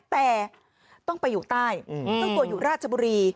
แต่ต้องไปอยู่ใต้เจ้าตัวอยู่ราชบุรี